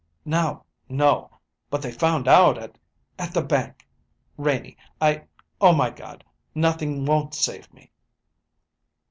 "No, no; but they found out at at the bank, Renie. I oh, my God! Nothing won't save me!"